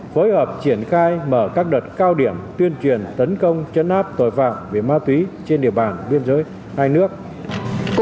phối hợp triển khai mở các đợt cao điểm tuyên truyền tấn công chấn áp tội phạm về ma túy trên địa bàn biên giới hai nước